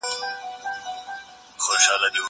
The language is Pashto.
زه پرون اوبه پاکې کړې!